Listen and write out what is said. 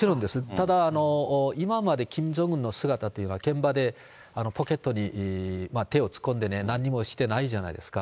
ただ、今までキム・ジョンウンの姿というのは、現場でポケットに手を突っ込んで、なんにもしてないじゃないですか。